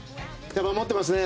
やっぱり持ってますね。